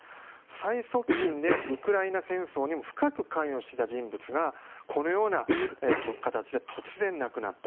最側近で、ウクライナ戦争にも深く関与していた人物がこのような形で突然、亡くなった。